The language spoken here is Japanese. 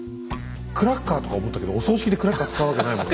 クラッカーとか思ったけどお葬式でクラッカー使うわけないもんな。